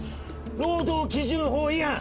労働基準法違反